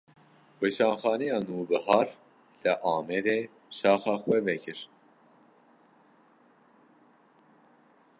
Weşanxaneya Nûbihar, li Amedê şaxa xwe vekir